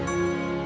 sampai jumpa lagi